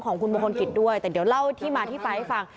ของคุณมงคลกิจด้วยแต่เดี๋ยวเล่าที่มาที่ไปให้ฟัง